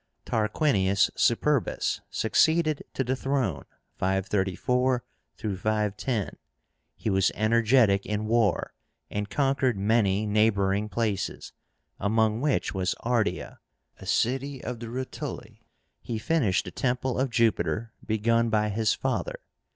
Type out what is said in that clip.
TARQUINIUS SUPERBUS succeeded to the throne (534 510). He was energetic in war, and conquered many neighboring places, among which was Ardea, a city of the Rutuli. He finished the temple of Jupiter, begun by his father.